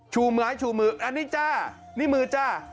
ชูม้าให้ชูมือนี่จ้านี่มือจ้า